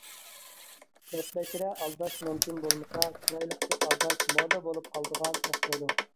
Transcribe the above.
بەتبەشىرە ئالداش مۇمكىن بولمىسا، چىرايلىقچە ئالداش مودا بولۇپ قالىدىغان ئوخشايدۇ.